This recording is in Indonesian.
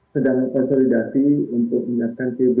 sedang konsolidasi untuk menjelaskan hal tersebut